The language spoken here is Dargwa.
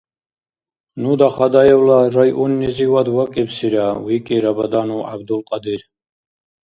— Ну Дахадаевла районнизивад вакӀибсира, — викӀи Рабаданов ГӀябдулкьадир.